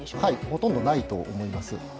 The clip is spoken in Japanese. ほとんどないと思います。